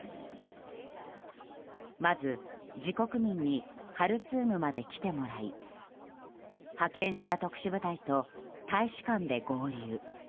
まず、自国民にハルツームまで来てもらい派遣した特殊部隊と大使館で合流。